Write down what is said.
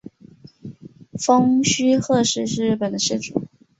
蜂须贺氏是日本的氏族。